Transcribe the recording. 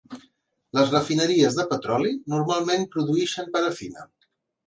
Les refineries de petroli normalment produïxen parafina.